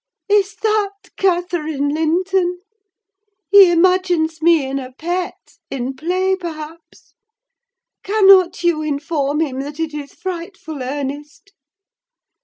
"Is that Catherine Linton? He imagines me in a pet—in play, perhaps. Cannot you inform him that it is frightful earnest?